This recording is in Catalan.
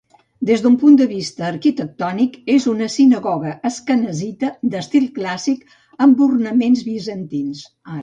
Des d'un punt de vista arquitectònic, és una sinagoga asquenazita d'estil clàssic, amb ornaments bizantins.